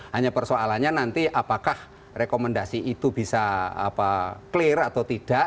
hanya persoalannya nanti apakah rekomendasi itu bisa clear atau tidak